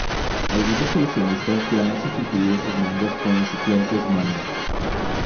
Algunos coleccionistas ya han sustituido sus mangas con los suplentes manga.